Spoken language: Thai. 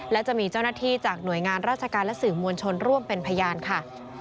และจะมีเจ้าหน้าที่จากหน่วยงานราชการและสื่อมวลชนร่วมเป็นพยานค่ะ